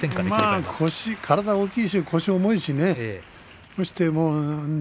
体が大きいし腰が重いしね。